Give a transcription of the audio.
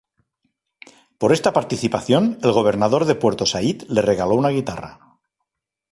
Por esta participación, el gobernador de Puerto Saíd le regaló una guitarra.